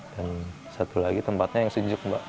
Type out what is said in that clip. dan satu lagi tempatnya yang sejuk mbak